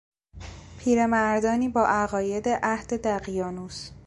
پیرمردانی با عقاید عهد دقیانوس